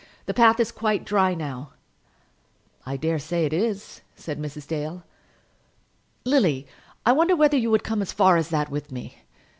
The path is quite dry now." "I dare say it is," said Mrs. Dale. "Lily, I wonder whether you would come as far as that with me."